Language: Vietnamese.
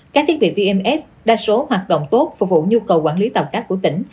các thiết bị vns đa số hoạt động tốt phục vụ nhu cầu quản lý tàu cá của tỉnh